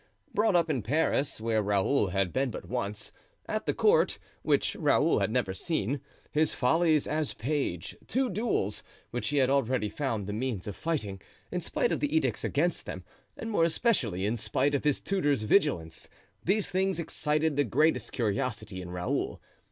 Brought up in Paris, where Raoul had been but once; at the court, which Raoul had never seen; his follies as page; two duels, which he had already found the means of fighting, in spite of the edicts against them and, more especially, in spite of his tutor's vigilance—these things excited the greatest curiosity in Raoul.